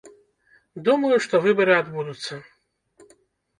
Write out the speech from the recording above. Думаю, што выбары адбудуцца.